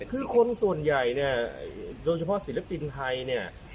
คือคนส่วนใหญ่เนี่ยโดยเฉพาะศิลปินไทยเนี่ย